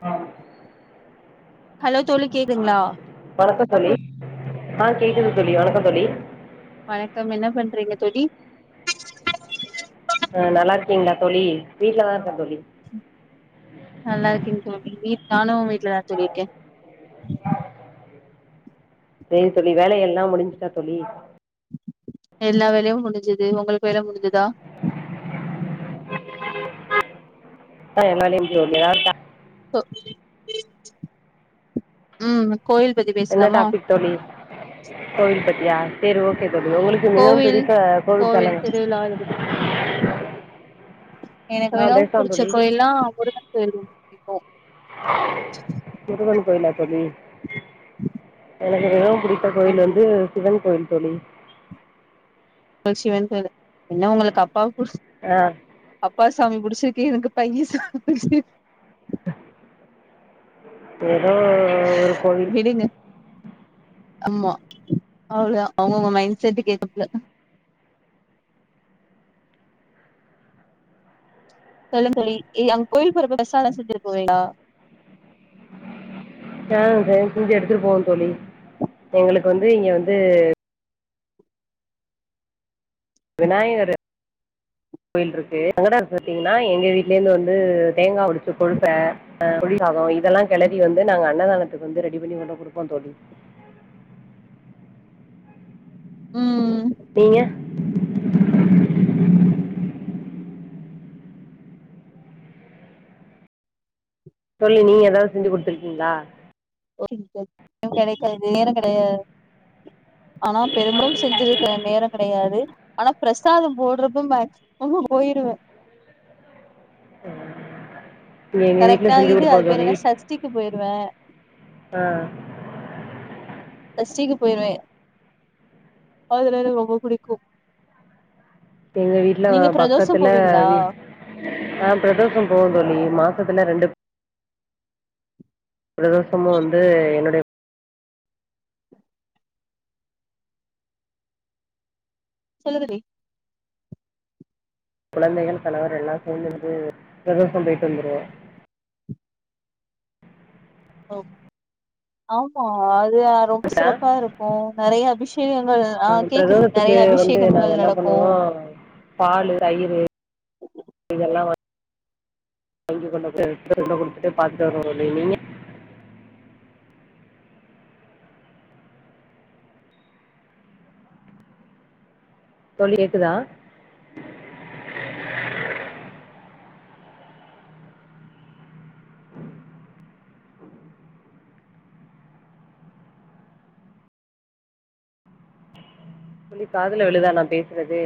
ஆ hello தோழி கேக்குதுங்களா வணக்கதோழி ஆஹ் கேக்குது தொழி வணக்கம் தோழி வணக்கம் என்ன பண்றீங்க தொழி அஹ் நல்லா இருக்கீங்களா தோழி வீட்டு்லதான் இருக்கா தோழி நல்லா இருக்குன் தோழி வீட் தாலு வீட்டல தா சொல்ரிக்க செரி தொழி வேலைய ல்லா முடிஞ்சுட்டா தொழி எல்லா வேலையு முடிஞ்சது உங்களுக்கு வேலை முடிஞ்சதா [inaudible] ஆஹ என்னால [unintelligible] உம் என்ன டாபிக் தோழி கோயில் பத்தியா சேரி ஓகே தோழி உங்களுக்கு மிகவும் கோவில் பிடித்த கோவில் தலம் திருவிழா இருக்குது எனக்கு ஆ மிகவும் பேசலா பிடிச்ச தோழி கோய்ல்லாம் முருகன் கோவில் இப்போ முருகன் கோயில்ல தோழி எனக்கு மிகவும் புடித்த கோயில் ஆமா வந்து சிவன் கோயில் தொழி ன் சிவன் என்ன உங்களுக்கு அப்பா ஆஹ் அப்பா சாமி புடிச்சிருக்கு எனக்கு பைய சாமி பு உம் ஒ ஒ ஒரு கோவில் விடுங்க ஆமா அவளோதா அவங்கவுங்க மைண்ட் செட்கு ஏத்தாப்ல சொல்லு தோழி அங்க கோயில் போற பிரசாதம் செஞ்சட்டு போவீங்களா அ செஞ்சி எடுத்துட்டு போவோன் தோழி எங்களுக்கு வந்து இங்க வந்து விநாயகரு கோயில் இருக்கு அங்க த்தீங்கன்னா எங்க வீட்ல இருந்து வந்து தேங்காய் உடு கொடுப்பே ஆஹ் புளிசாதம் இதெல்லாம் கிளறி வந்து நாங்க அன்னதானத்துக்கு வந்து ரெடி பண்ணி கொண்டு கொடுப்போம் தோழி உம் இன்ஆடிபிள் தொழி நீங்க ஏதாவது செஞ்சு கொடுத்துருக்கீங்களா [unintelligible] கிடைக் நேரம் கிடையாது ஆனா பெரும்பாலும் செஞ்சிருக்க நேரம் கிடையாது ஆனா பிரசாதம் போடுறப்ப மெக்ஸ் போயிருவ [inaudible] வீட்ல கரெக்டா செஞ்சு இது அது கொடுப்போம் பேர் தோழி என்ன சஷ்டிக்கு போயிருவேன் ஆ ஷஸ்டிக்கு போயிருவே அதுல எனக்கு ரொம்ப பிடிக்கும் எங்க வீட்ல பக்கத்துல போவீங்களா வீ ஆ பிரதோஷம் போவ தோழி மாச மாசத்துல ரெண்டு பிரதோசமும் வந்து என்னுடைய சொல்லு தோழி குழந்தைகள் கணவர் எல்லா சேந்திருந்து பிரதோஷம் போயிட்டு வந்துருவோம் ஓ ஆமா அது து ரொம்ப சிறப்பா இருக்கு நெறைய அபிஷே ஆ பிரதோசத்துக்கு வந்து நாங்க அபிஷேகங்கள் என்ன நடக்கு பண்ணுவோம் பாலு தயிரு இதெல்லா வாங் வாங்கி கொண்ட கொண்ட குடுத்துட்டு பாத்துட்டு வருவோம் தோழி நீங்க தோழி கேக்குதா தோழி காதுல விழுதா நா பேசுறது